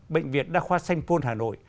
bệnh viện đa khoa sanh phôn hà nội